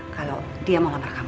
kalau dia mau kamar kamu